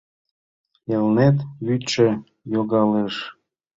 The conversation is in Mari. Элнет вӱдшӧ йогалеш